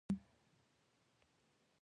ایا زه به خپل لمسیان ووینم؟